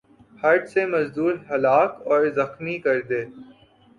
ہت سے مزدور ہلاک اور زخمی کر دے